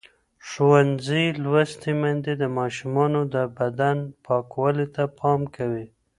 ښوونځې لوستې میندې د ماشومانو د بدن پاکوالي ته پام کوي.